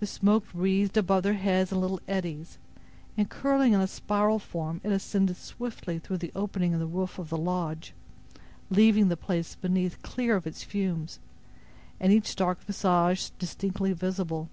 The smoke wreathed above their heads in little eddies, and curling in a spiral form it ascended swiftly through the opening in the roof of the lodge, leaving the place beneath clear of its fumes, and each dark visage distinctly visible.